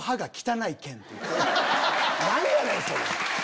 何やねんそれ！